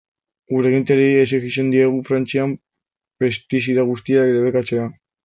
Gure agintariei exijitzen diegu Frantzian pestizida guztiak debekatzea.